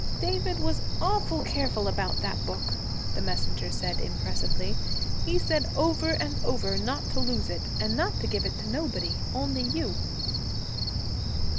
'David was awful careful about that book,' the messenger said impressively. 'He said over and over not to lose it, and not to give it to nobody only you.'